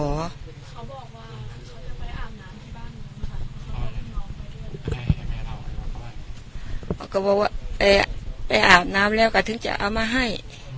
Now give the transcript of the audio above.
ก็บอกว่าไปอาบน้ำแล้วก็ถึงจะเอามาให้